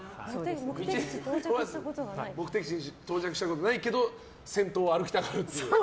目的地に到着したことないけど先頭を歩きたがる。